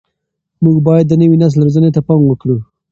موږ باید د نوي نسل روزنې ته پام وکړو.